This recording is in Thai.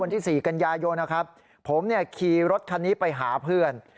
วันที่๔กัญญาโยนครับผมขี่รถคันนี้ไปหาเพื่อน